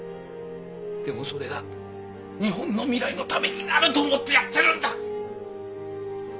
でもそれが日本の未来のためになると思ってやってるんだ！